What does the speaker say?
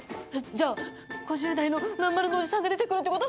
じゃあ５０代のまんまるのおじさんが出てくるって事？